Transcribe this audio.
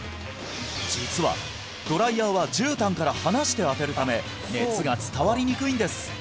実はドライヤーは絨毯から離して当てるため熱が伝わりにくいんです